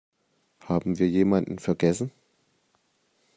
Haben wir jemanden vergessen?